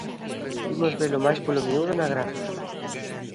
Imos velo máis polo miúdo na gráfica.